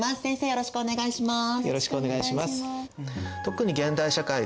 よろしくお願いします。